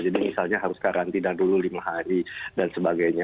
jadi misalnya harus karantina dulu lima hari dan sebagainya